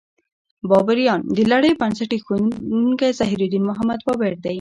بابریان: د لړۍ بنسټ ایښودونکی ظهیرالدین محمد بابر دی.